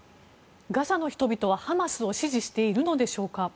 ガザの人々はハマスを支持しているのでしょうか？